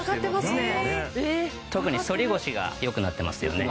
特に反り腰が良くなってますよね。